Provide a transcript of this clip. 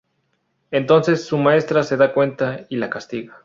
Entonces su maestra se da cuenta y la castiga.